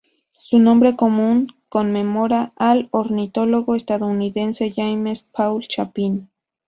Su nombre común conmemora al ornitólogo estadounidense James Paul Chapin.